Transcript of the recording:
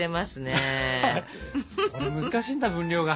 これ難しいんだ分量が。